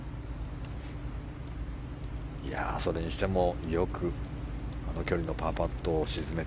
それにしてもよくこの距離のパーパットを沈めて。